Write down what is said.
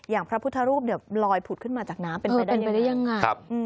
พระพุทธรูปเนี่ยลอยผุดขึ้นมาจากน้ำเป็นไปได้ยังไง